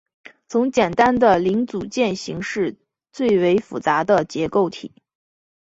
从简单的零组件型式最为复杂的结构体。